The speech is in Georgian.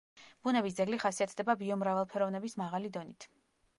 ბუნების ძეგლი ხასიათდება ბიომრავალფეროვნების მაღალი დონით.